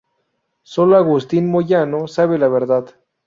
Solo Agustín Moyano sabe la verdad.